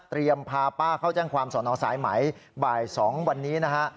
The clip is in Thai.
พาป้าเข้าแจ้งความสอนอสายไหมบ่าย๒วันนี้นะฮะ